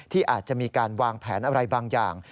ที่อาจจะมีการวางแผนอะไรบางอย่าง